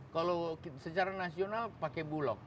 kalau secara nasional pakai bulog